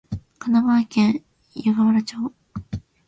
神奈川県湯河原町